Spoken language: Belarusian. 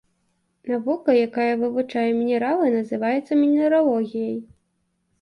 Навука, якая вывучае мінералы называецца мінералогіяй.